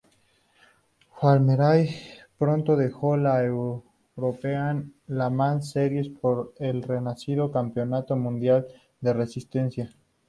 Felbermayr-Proton dejó la European Le Mans Series por el renacido Campeonato Mundial de Resistencia.